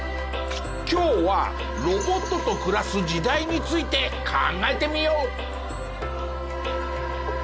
今日はロボットと暮らす時代について考えてみよう。